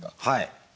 はい。